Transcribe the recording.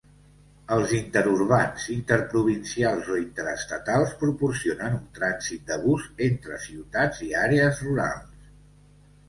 Els interurbans, interprovincials o interestatals proporcionen un trànsit de bus entre ciutats i àrees rurals.